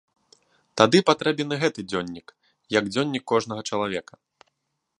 Тады патрэбен і гэты дзённік, як дзённік кожнага чалавека.